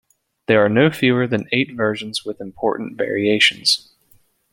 There are no fewer than eight versions with important variations.